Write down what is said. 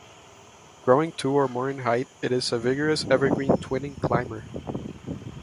Growing to or more in height, it is a vigorous evergreen twining climber.